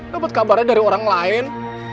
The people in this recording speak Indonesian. dapat kabarnya dari orang lain